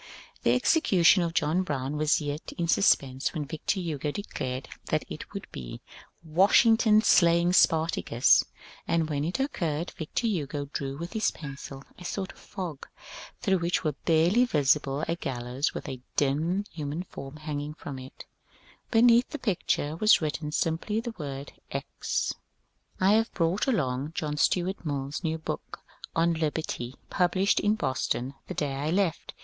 The execution of John Brown was yet in suspense when Victor Hugo declared that it would be " Washington slaying Spartacus ;" and when it occurred Victor Hugo drew with his pencil a sort of fog through which were barely visible a gallows with a dim human form hanging from it : beneath the picture was written simply the word Eccel^ I have brought along John Stuart MilFs new book on Liberty, published in Boston the day I left.